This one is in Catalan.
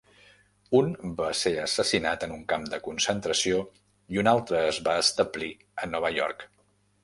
Un va ser assassinat en un camp de concentració i un altre es va establir a Nova York.